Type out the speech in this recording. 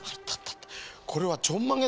これはちょんまげだよ。